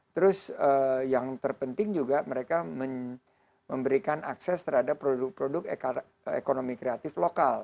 terus yang terpenting juga mereka memberikan akses terhadap produk produk ekonomi kreatif lokal